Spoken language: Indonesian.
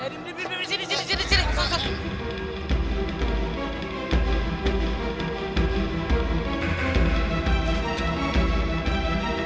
eh dimana dimana dimana sini sini sini